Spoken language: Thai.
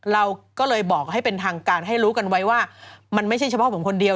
เราก็เลยบอกให้เป็นทางการให้รู้กันไว้ว่ามันไม่ใช่เฉพาะผมคนเดียว